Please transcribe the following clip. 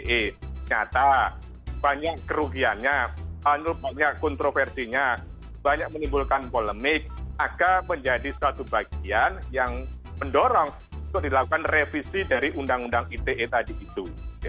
ternyata banyak kerugiannya banyak kontroversinya banyak menimbulkan polemik agar menjadi suatu bagian yang mendorong untuk dilakukan revisi dari undang undang ite tadi itu